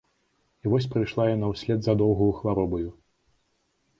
І вось прыйшла яна ўслед за доўгаю хваробаю.